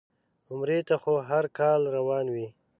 عمرې ته خو هر کال روان وي.